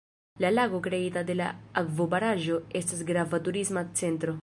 La lago kreita de la akvobaraĵo estas grava turisma centro.